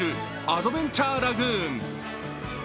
アドベンチャーラグーン。